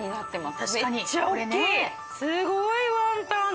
すごいワンタン！